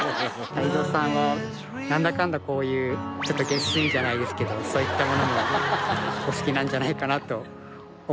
泰造さんはなんだかんだこういうちょっとゲスいじゃないけどそういったものもお好きなんじゃないかなと思って。